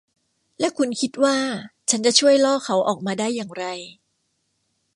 และคุณคิดว่าฉันจะช่วยล่อเขาออกมาได้อย่างไร